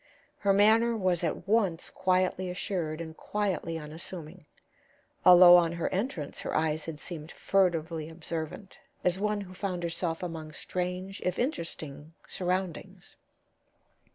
Her manner was at once quietly assured and quietly unassuming, although on her entrance her eyes had seemed furtively observant, as one who found herself among strange, if interesting, surroundings.